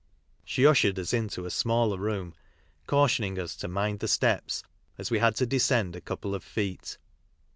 She ushered us into a smaller room, cautioning us to " mind the steps," as we had to descend a couple of feet.